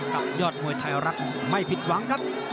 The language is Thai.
ยอดมวยไทยรัฐไม่ผิดหวังครับ